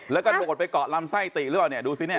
แล้วก็โดดไปเกาะลำไส้ติหรือเปล่าเนี่ยดูสิเนี่ย